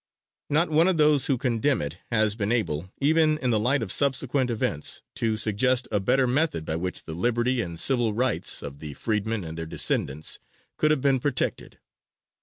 Not one of those who condemn it, has been able, even in the light of subsequent events, to suggest a better method by which the liberty and civil rights of the freedmen and their descendants could have been protected.